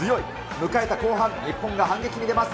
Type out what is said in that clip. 迎えた後半、日本が反撃に出ます。